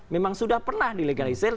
memang sudah pernah dilegalisir